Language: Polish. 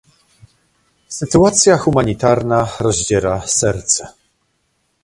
Sytuacja humanitarna rozdziera serce